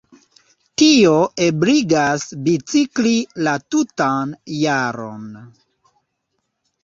Tio ebligas bicikli la tutan jaron.